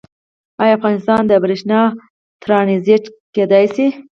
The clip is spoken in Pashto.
آیا افغانستان د بریښنا ټرانزیټ کیدی شي؟